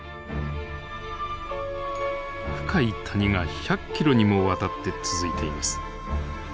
深い谷が１００ｋｍにもわたって続いています。